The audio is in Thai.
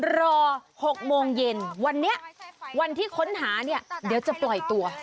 รอ๖โมงเย็นวันนี้วันที่ค้นหาเนี่ยเดี๋ยวจะปล่อยตัว